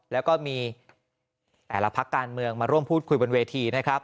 แล้วก็มีแต่ละพักการเมืองมาร่วมพูดคุยบนเวทีนะครับ